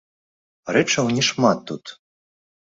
Рэчаў не шмат тут.